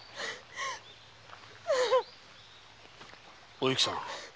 お幸さん